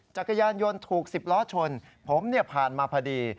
จักรยานยนต์ถูก๑๐ล้อชนผมผ่านมาพอดี